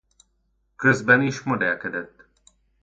Közben is modellkedett.